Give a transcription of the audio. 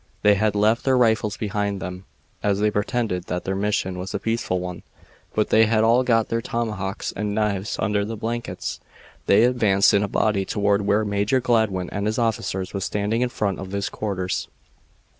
They had left their rifles behind them, as they pretended that their mission was a peaceful one, but they had all got their tomahawks and knives under their blankets. They advanced in a body toward where Major Gladwin and his officers was standing in front of his quarters.